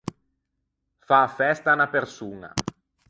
Fâ a festa à unna persoña.